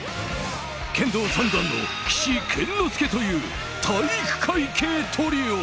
剣道３段の岸健之助という体育会系トリオ！